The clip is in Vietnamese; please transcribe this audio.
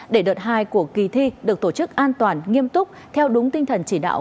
để đợt hai của kỳ thi được tổ chức an toàn nghiêm túc theo đúng tinh thần chỉ đạo